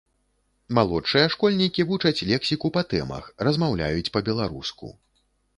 Малодшыя школьнікі вучаць лексіку па тэмах, размаўляюць па-беларуску.